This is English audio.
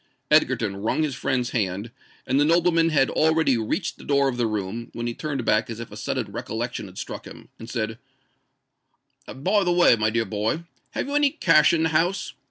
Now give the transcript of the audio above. Egerton wrung his friend's hand; and the nobleman had already reached the door of the room, when he turned back as if a sudden recollection had struck him, and said, "By the way, my dear boy, have you any cash in the house?